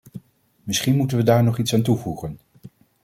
Misschien moeten we daar nog iets aan toevoegen.